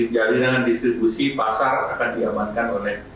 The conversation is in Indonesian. jaringan dan distribusi pasar akan diamankan oleh satgas pangan